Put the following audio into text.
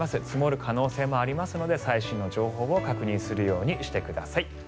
積もる可能性もありますので最新の情報を確認するようにしてください。